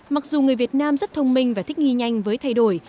mặc dù người việt nam rất thông minh và thích nghi nhanh với thay đổi